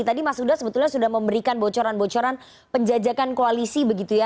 tadi mas huda sebetulnya sudah memberikan bocoran bocoran penjajakan koalisi begitu ya